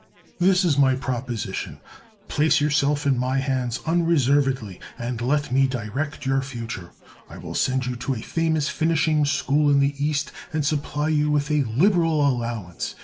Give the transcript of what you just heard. This is my proposition: place yourself in my hands unreservedly, and let me direct your future. I will send you to a famous finishing school in the East and supply you with a liberal allowance.